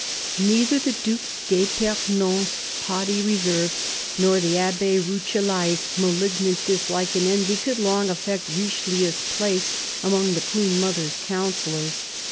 NEITHER the Due d'fipernon's haughty reserve nor the Abbe Rucellai's malignant dislike and envy could long affect Richelieu's place among the Queen mother's counsellors.